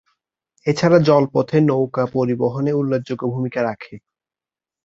এছাড়া জলপথে নৌকা পরিবহনে উল্লেখযোগ্য ভূমিকা রাখে।